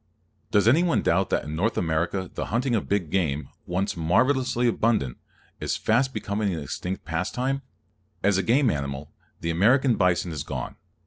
Does anyone doubt that in North America the hunting of big game, once marvelously abundant, is fast becoming an extinct pastime? As a game animal, the American bison is gone.